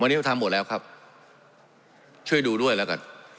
วันนี้เราทำหมดแล้วครับช่วยดูด้วยแล้วกัน